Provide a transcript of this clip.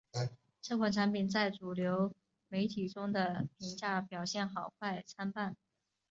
这款产品在主流媒体中的评价表现好坏参半。